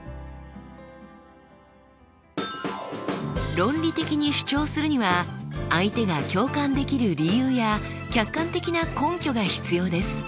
論理的に主張するには相手が共感できる理由や客観的な根拠が必要です。